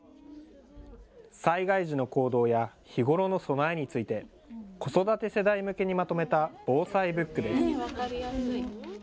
災害時の行動や日頃の備えについて子育て世代向けにまとめた防災ＢＯＯＫです。